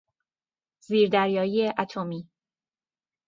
زیر دریایی اتمی